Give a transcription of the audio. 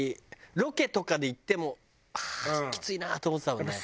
ロケとかで行っても「はあーきついな」と思ってたもんね。